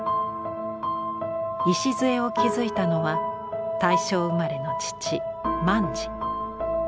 礎を築いたのは大正生まれの父萬次。